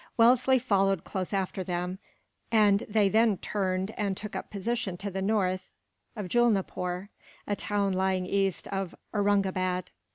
Wellesley followed close after them, and they then turned and took up a position to the north of Julnapoor, a town lying east of Aurungabad.